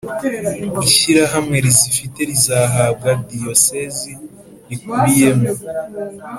ishyirahamwe rizifite rizahabwa Diyosezi rikubiyemo